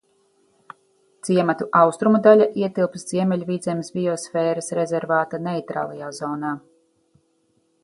Ciemata austrumu daļa ietilpst Ziemeļvidzemes biosfēras rezervāta neitrālajā zonā.